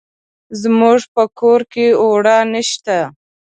زموږ په کور کې اوړه نشته.